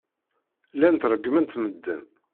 Llant reggment medden.